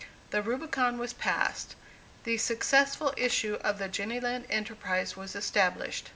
The Rubicon was passed. The successful issue of the Jenny Lind enterprise was established.